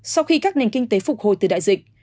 sau khi các nền kinh tế phục hồi từ đại dịch